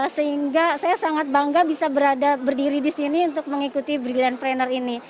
sehingga saya sangat bangga bisa berada berdiri disini untuk mengikuti brilliantpreneur ini